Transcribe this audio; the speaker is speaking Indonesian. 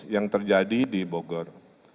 yang terjadi di bogor